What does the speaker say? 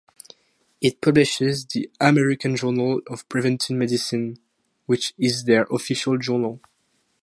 It publishes the "American Journal of Preventive Medicine", which is their official journal.